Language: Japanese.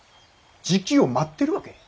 時機を待ってるわけ。